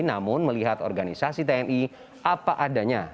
namun melihat organisasi tni apa adanya